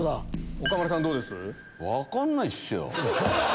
分かんないっすよ。